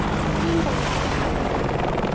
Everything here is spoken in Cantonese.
堅定流呀？